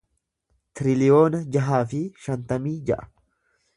tiriliyoona jaha fi shantamii ja'a